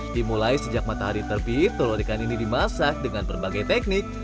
dimulai sejak matahari terbit telur ikan ini dimasak dengan berbagai teknik